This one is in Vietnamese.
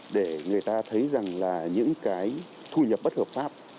để người ta thấy rằng là những cái thu nhập bất hợp pháp